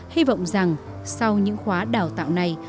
hy vọng rằng sau những khóa đào tạo này